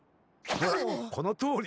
ほらこのとおり！